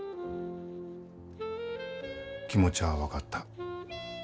気持ちゃあ分かった。